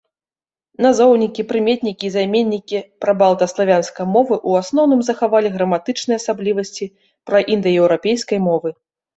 Назоўнікі, прыметнікі і займеннікі прабалта-славянскай мовы ў асноўным захавалі граматычныя асаблівасці праіндаеўрапейскай мовы.